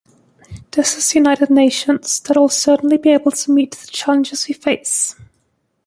This is United Nations that will certainly be able to meet the challenges we face.